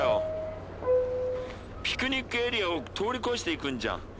ピクニックエリアを通り越していくんじゃん。